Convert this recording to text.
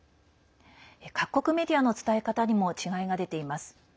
各国メディアの伝え方にも違いが出ています。